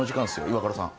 イワクラさん。